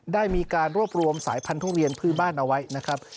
ได้มีการรวบรวมสายพันธุเวียนพื้นบ้านเอาไว้นะครับ